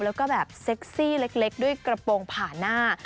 แล้วก็แบบเซ็กซี่เล็กด้วยกระโปรงผ่านหน้า